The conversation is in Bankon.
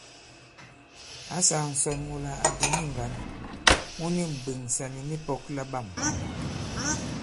Ǎ sāā ǹsɔn mula à dìŋi ŋgǎn mu ni mbwèŋsà nì mipɔ̄k laɓâm.